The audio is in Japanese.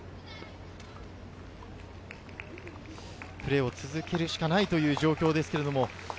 プレーを続けるしかないという状況です。